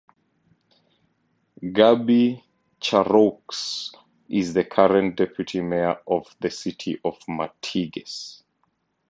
Gaby Charroux is the current deputy Mayor of the City of Martigues.